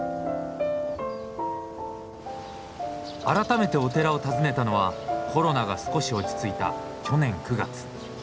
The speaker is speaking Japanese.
改めてお寺を訪ねたのはコロナが少し落ち着いた去年９月。